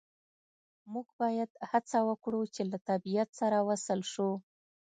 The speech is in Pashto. موږ باید هڅه وکړو چې له طبیعت سره وصل شو